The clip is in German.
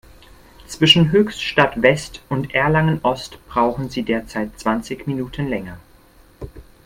Zwischen Höchstadt-West und Erlangen-Ost brauchen Sie derzeit zwanzig Minuten länger.